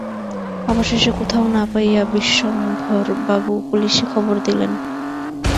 অবশেষে কোথাও না পাইয়া বিশ্বম্ভরবাবু পুলিসে খবর দিলেন।